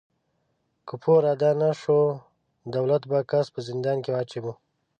که پور ادا نهشو، دولت به کس په زندان کې اچاوه.